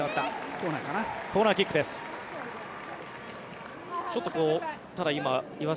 コーナーキックです。